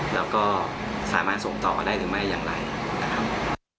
แล้วก็สามารถส่งต่อได้หรือไม่อย่างไรนะครับ